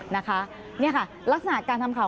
นะคะนี่ค่ะลักษณะการทำข่าว